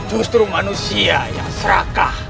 justru manusia yang serakah